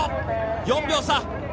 ４秒差。